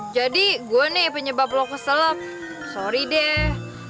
jadi gue nih penyebab lo keselok sorry deh